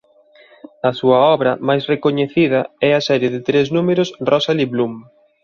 A súa obra máis recoñecida é a serie de tres números "Rosalie Blum".